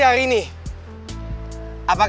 apakah diterima cinta saya apa tidak